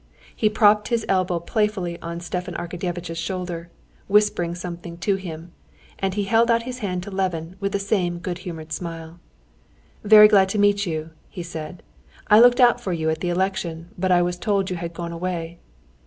He propped his elbow playfully on Stepan Arkadyevitch's shoulder, whispering something to him, and he held out his hand to Levin with the same good humored smile. "Very glad to meet you," he said. "I looked out for you at the election, but I was told you had gone away."